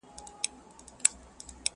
ما په نوم د انتقام يې ته وهلی.!